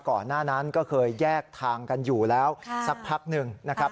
ก่อนหน้านั้นก็เคยแยกทางกันอยู่แล้วสักพักหนึ่งนะครับ